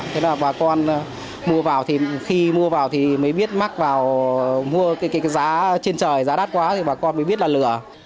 thế là bà con mua vào thì khi mua vào thì mới biết mắc vào mua cái giá trên trời giá đắt quá thì bà con mới biết là lửa